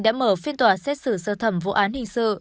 đã mở phiên tòa xét xử sơ thẩm vụ án hình sự